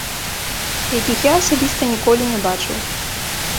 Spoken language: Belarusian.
Якіх я асабіста ніколі не бачыў.